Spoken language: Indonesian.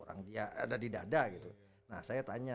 ada di dada gitu nah saya tanya